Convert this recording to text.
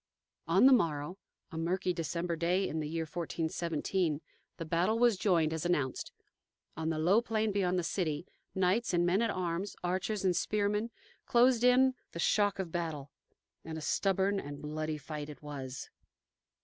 On the morrow, a murky December day, in the year 1417, the battle was joined, as announced. On the low plain beyond the city, knights and men at arms, archers and spearmen, closed in the shock of battle, and a stubborn and bloody fight it was.